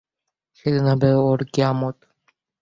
সেদিন হবে ওর কিয়ামত।